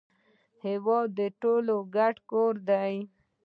هیواد د ټولو ګډ کور دی